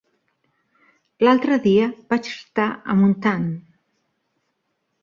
L'altre dia vaig estar a Montant.